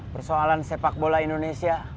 persoalan sepak bola indonesia